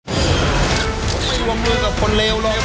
ผมไม่ร่วมมือกับคนเลวหรอก